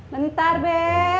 nanti ntar be